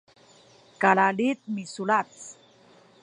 kalalid misulac